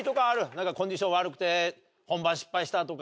何かコンディション悪くて本番失敗したとか。